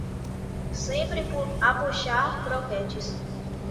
Sempre a puxar croquetes!